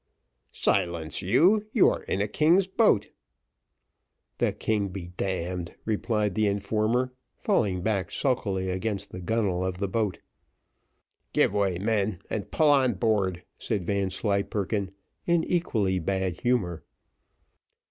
"Silence, sir, you are in a king's boat." "The king be d d," replied the informer, falling back sulkily against the gunnel of the boat. "Give way, men, and pull on board," said Vanslyperken, in equally bad humour.